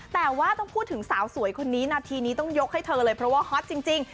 แต่ว่าต้องพูดถึงสาวสวยคนนี้นาทีนี้ต้องยกให้เธอเลยเพราะว่าฮอตจริง